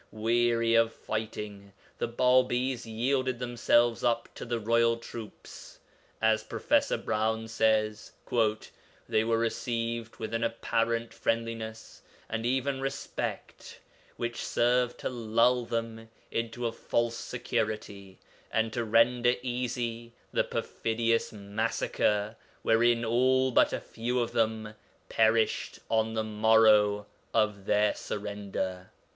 Weary of fighting, the Bābīs yielded themselves up to the royal troops. As Prof. Browne says, 'they were received with an apparent friendliness and even respect which served to lull them into a false security and to render easy the perfidious massacre wherein all but a few of them perished on the morrow of their surrender.'